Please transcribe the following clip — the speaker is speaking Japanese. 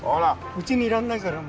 うちにいられないからね。